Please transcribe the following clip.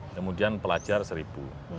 kemudian pelajar rp satu